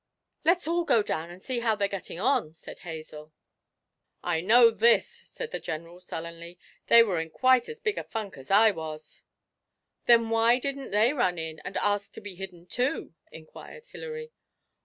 'Let's all go down, and see how they're getting on,' said Hazel. 'I know this,' said the General sullenly, 'they were in quite as big a funk as I was!' 'Then why didn't they run in, and ask to be hidden too?' inquired Hilary.